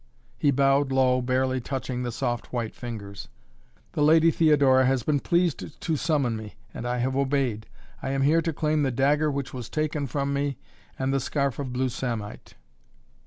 He bowed low, barely touching the soft white fingers. "The Lady Theodora has been pleased to summon me and I have obeyed. I am here to claim the dagger which was taken from me and the scarf of blue samite."